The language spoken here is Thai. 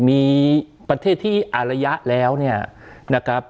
มีประเทศที่อารยะแล้วเนี่ยนะครับ